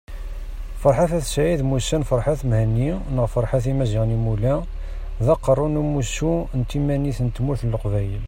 Ferḥat At Said mmusan Ferhat Mehenni neɣ Ferhat Imazighen Imula, d Aqerru n Umussu n Timanit n Tmurt n Leqbayel